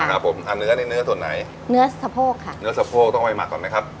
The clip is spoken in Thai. ครับผมอ่าเนื้อนี่เนื้อส่วนไหนเนื้อสะโพกค่ะเนื้อสะโพกต้องไปหมักก่อนไหมครับ